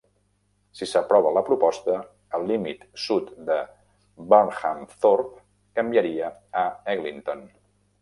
Si s'aprova la proposta, el límit sud de Burnhamthorpe canviaria a Eglinton.